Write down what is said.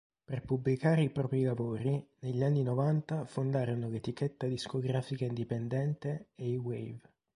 Per pubblicare i propri lavori, negli anni novanta fondarono l'etichetta discografica indipendente A-Wave.